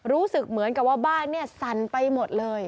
รู้สึกเหมือนกับว่าบ้านเนี่ยสั่นไปหมดเลย